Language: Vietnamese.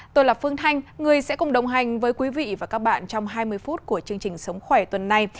tôi là phương thanh người sẽ cùng đồng hành với quý vị và các bạn trong hai mươi phút của chương trình sống khỏe tuần này